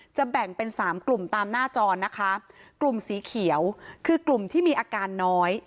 แบ่งเป็นสามกลุ่มตามหน้าจอนะคะกลุ่มสีเขียวคือกลุ่มที่มีอาการน้อย